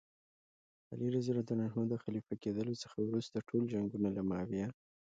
علي رض د خلیفه کېدلو څخه وروسته ټول جنګونه له معاویه.